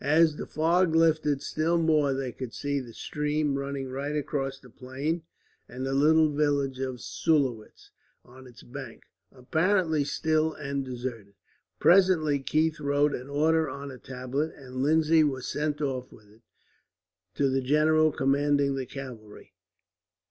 As the fog lifted still more they could see the stream running right across the plain, and the little village of Sulowitz on its bank, apparently still and deserted. Presently Keith wrote an order on a tablet, and Lindsay was sent off with it, to the general commanding the cavalry.